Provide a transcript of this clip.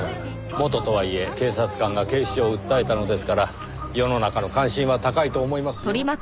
元とはいえ警察官が警視庁を訴えたのですから世の中の関心は高いと思いますよ。